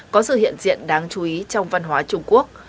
có sự hiện diện đáng chú ý trong văn hóa trung quốc